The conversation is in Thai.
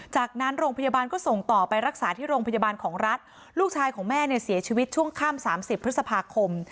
จากนั้นโรงพยาบาลก็ส่งต่อไปรักษาที่โรงพยาบาลของรัฐลูกชายของแม่เนี่ยเสียชีวิตช่วงข้ามสามสิบพฤษภาคม